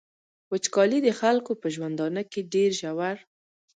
وچکالي د خلکو په ژوندانه کي ډیر ژور.